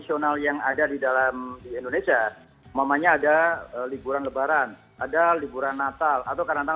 nasional yang ada di dalam di indonesia mamanya ada liburan lebaran ada liburan natal atau karena